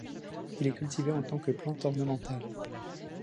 Il est cultivé en tant que plante ornementale.